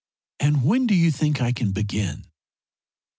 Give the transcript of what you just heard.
And when do you think I can begin?"